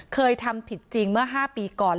เคยทำผิดจริงเมื่อ๕ปีก่อน